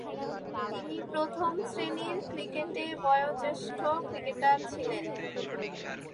তিনি প্রথম-শ্রেণীর ক্রিকেটে বয়োজ্যেষ্ঠ ক্রিকেটার ছিলেন।